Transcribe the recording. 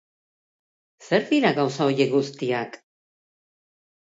Zer dira gauza horiek guztiak?